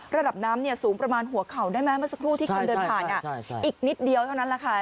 ระดับน้ำสูงประมาณหัวเข่าได้ไหมเมื่อสักครู่ที่คนเดินผ่านอีกนิดเดียวเท่านั้นแหละค่ะ